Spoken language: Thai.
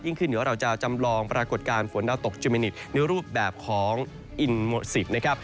ขึ้นเดี๋ยวเราจะจำลองปรากฏการณ์ฝนดาวตกจุมินิตในรูปแบบของอินโมซิกนะครับ